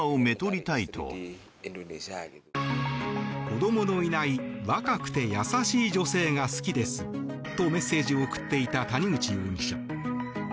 子供のいない若くて優しい女性が好きですというメッセージを送っていた谷口容疑者。